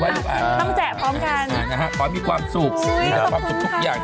วันเกิดเด็กมายุได้แบบนี้